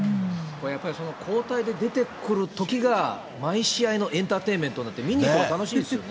やっぱり、交代で出てくるときが、毎試合のエンターテイメントになって、見に行くのが楽しみですよね。